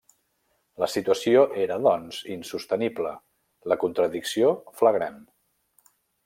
La situació era, doncs, insostenible, la contradicció flagrant.